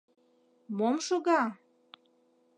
Мом шога?